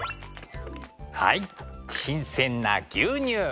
はい新鮮な牛乳。